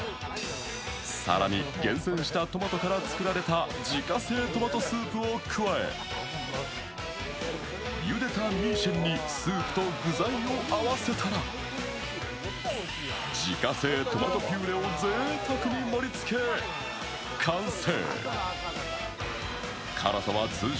更に、厳選したトマトから作られた自家製トマトスープを加えゆでたミーシェンにスープと具材を合わせたら、自家製トマトピューレをぜいたくに盛り付け完成。